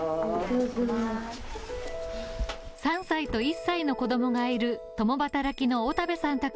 ３歳と１歳の子供がいる共働きの小田部さん